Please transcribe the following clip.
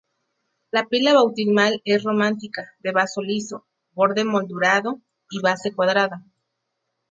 La pila bautismal es románica, de vaso liso, borde moldurado y base cuadrada.